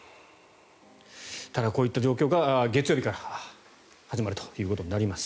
こういった状況が月曜日から始まるということになります。